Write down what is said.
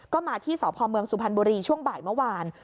ก็มาที่สพเมืองสุพรรณบุรีช่วงบ่ายเมื่อวาน